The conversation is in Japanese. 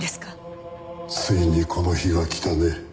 ついにこの日が来たね。